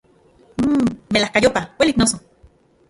Mmmm, ¡melajkayopa uelik, noso!